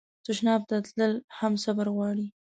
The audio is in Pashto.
تشناب ته تلل هم صبر غواړي.